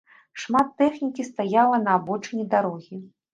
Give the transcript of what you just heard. Шмат тэхнікі стаяла на абочыне дарогі.